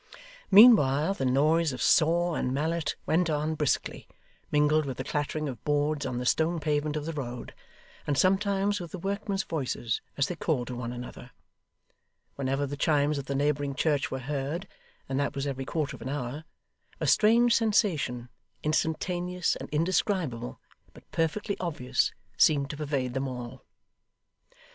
Meanwhile the noise of saw and mallet went on briskly, mingled with the clattering of boards on the stone pavement of the road, and sometimes with the workmen's voices as they called to one another. Whenever the chimes of the neighbouring church were heard and that was every quarter of an hour a strange sensation, instantaneous and indescribable, but perfectly obvious, seemed to pervade them all.